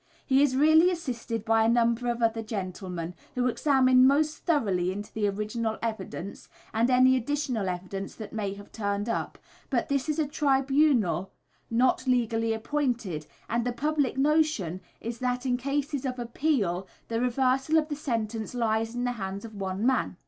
He is really assisted by a number of other gentlemen, who examine most thoroughly into the original evidence, and any additional evidence that may have turned up, but this is a tribunal not legally appointed, and the public notion is that in cases of appeal the reversal of the sentence lies in the hands of one man.